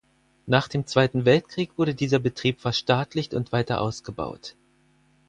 Nach dem Zweiten Weltkrieg wurde dieser Betrieb verstaatlicht und weiter ausgebaut.